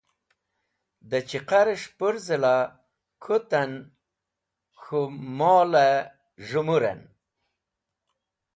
Dẽ cheqarẽs̃h pũrzẽ la kũtan k̃hũ molẽ z̃hemurẽn